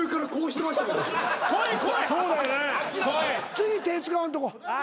次手使わんとこ。